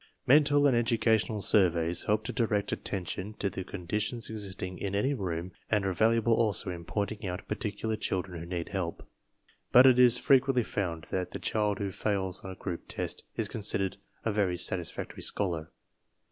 Mental and educational surveys help to direct attention to the conditions existing in any room and are valuable also in pointing out particular children who need help. But it is frequently found that the child who fails on a group test is considered a very satisfactory scholar.